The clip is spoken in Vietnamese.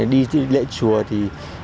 đi lễ chùa thì